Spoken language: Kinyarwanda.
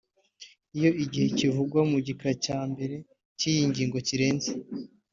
Iyo igihe kivugwa mu gika cya mbere cy’iyi ngingo kirenze